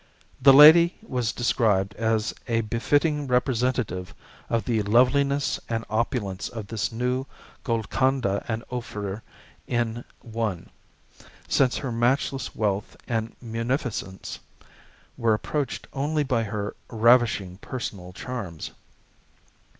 The lady was described as a befitting representative of the loveliness and opulence of this new Golconda and Ophir in one, since her matchless wealth and munificence were approached only by her ravishing personal charms.